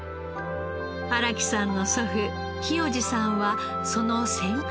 荒木さんの祖父清二さんはその先駆者の一人。